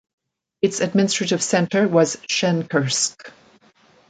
Its administrative centre was Shenkursk.